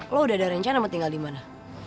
lo udah ada rencana mau tinggal dimana